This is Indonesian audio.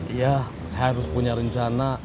iya saya harus punya rencana